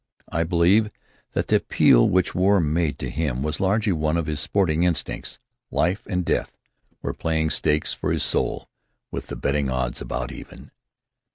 I believe that the appeal which war made to him was largely one to his sporting instincts. Life and Death were playing stakes for his soul with the betting odds about even.